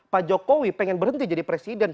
pak jokowi pengen berhenti jadi presiden